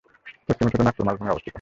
পশ্চিমে ছোট নাগপুর মালভূমি অবস্থিত।